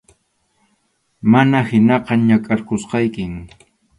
Mana hinaqa, nakʼarqusaykim.